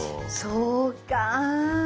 そうか。